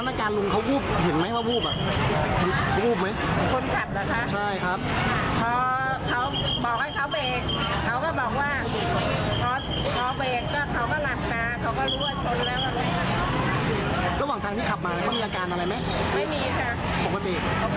อยู่แล้วถึงให้โดนชนแน่